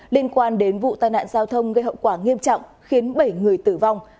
liên quan đến vụ tai nạn giao thông gây hậu quả nghiêm trọng khiến bảy người tử vong